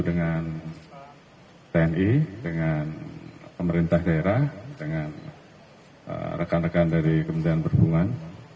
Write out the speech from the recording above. dengan tni dengan pemerintah daerah dengan rekan rekan dari kementerian perhubungan